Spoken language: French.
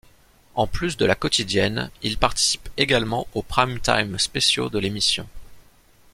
En plus de la quotidienne, il participe également aux prime-time spéciaux de l'émission.